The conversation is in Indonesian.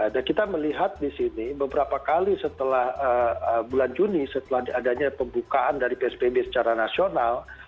dan kita melihat di sini beberapa kali setelah bulan juni setelah adanya pembukaan dari psbb secara nasional